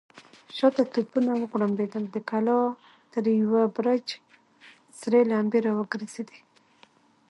شاته توپونه وغړمبېدل، د کلا تر يوه برج سرې لمبې را وګرځېدې.